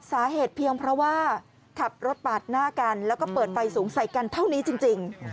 สาเหตุเพียงเพราะว่าขับรถปาดหน้ากันแล้วก็เปิดไฟสูงใส่กันเท่านี้จริง